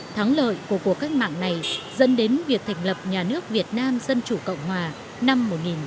thắng lợi của cuộc cách mạng này dẫn đến việc thành lập nhà nước việt nam dân chủ cộng hòa năm một nghìn chín trăm bốn mươi năm